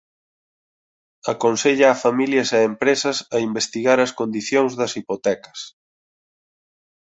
Aconsella a familias e empresas a investigar as condicións das hipotecas